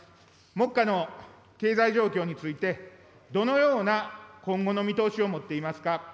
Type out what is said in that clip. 目下の経済状況について、どのような今後の見通しを持っていますか。